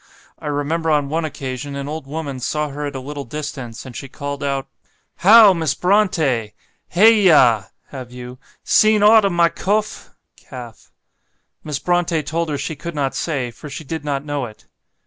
I remember on one occasion an old woman saw her at a little distance, and she called out, 'How! Miss Brontë! Hey yah (have you) seen ought o' my cofe (calf)?' Miss Brontë told her she could not say, for she did not know it.